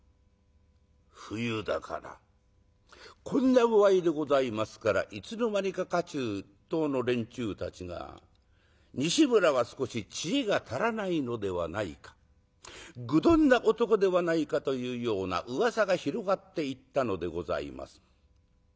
こんな具合でございますからいつの間にか家中一統の連中たちが「西村は少し知恵が足らないのではないか」「愚鈍な男ではないか」というような噂が広がっていったのでございます。